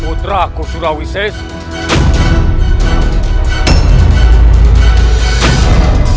potraku surawi sesuai